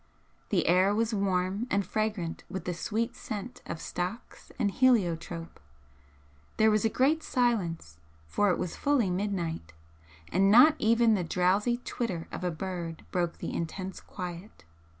The air was warm, and fragrant with the sweet scent of stocks and heliotrope, there was a great silence, for it was fully midnight, and not even the drowsy twitter of a bird broke the intense quiet.